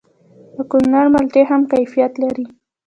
د کونړ مالټې هم کیفیت لري.